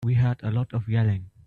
We heard a lot of yelling.